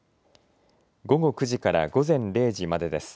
午後９時から午前０時までです。